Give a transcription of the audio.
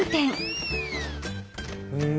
うん？